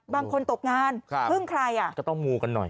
บางคนตกงานพึ่งใครอ่ะก็ต้องมูกันหน่อย